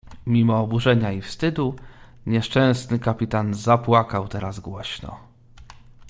"Mimo oburzenia i wstydu nieszczęsny kapitan zapłakał teraz głośno."